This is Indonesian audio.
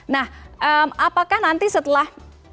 nah apakah nanti setelah